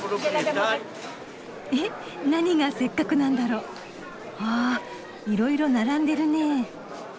え何がせっかくなんだろ？わいろいろ並んでるね。